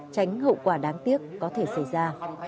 tránh hậu quả đáng tiếc có thể xảy ra